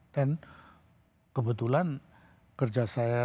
dan kebetulan kerja saya